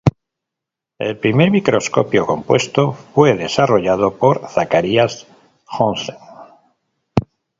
El primer microscopio compuesto fue desarrollado por Zacharias Janssen.